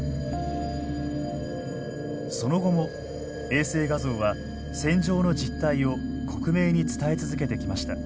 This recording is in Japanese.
その後も衛星画像は戦場の実態を克明に伝え続けてきました。